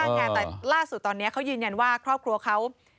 แต่ล่าสุดตอนนี้เขายืนยันว่าครอบครัวเขา